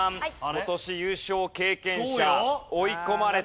今年優勝経験者追い込まれてきました。